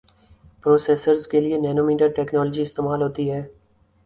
processors کے لئے nanometre technology استعمال ہوتی ہے